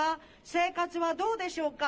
生活はどうでしょうか。